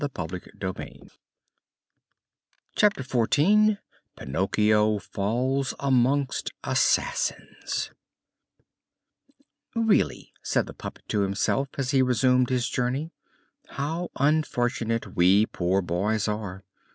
CHAPTER XIV PINOCCHIO FALLS AMONGST ASSASSINS "Really," said the puppet to himself, as he resumed his journey, "how unfortunate we poor boys are.